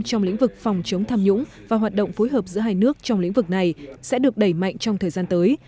trong lĩnh vực phòng chống tham nhũng và hoạt động phối hợp giữa hai nước trong lĩnh vực này sẽ được đẩy mạnh trong thời gian tới